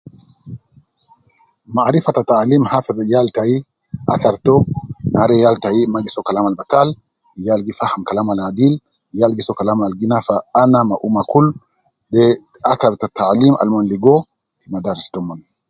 Marifa ta taalim hafidh yal tai athar to nare yal tai ma gi soo kalam al batal ,yal gi faham Kalam al adil, yal gi soo kalam al gi nafa ana ma umma kul, de athar ta taalim al mon ligo ma nafsi tomon